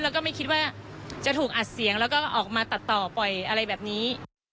แล้วก็ไม่คิดว่าจะถูกอัดเสียงแล้วก็ออกมาตัดต่อปล่อยอะไรแบบนี้